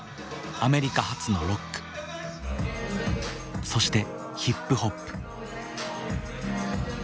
アメリカ発のロックそしてヒップホップ。